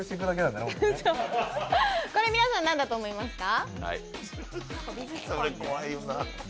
これ、皆さん何だと思いますか？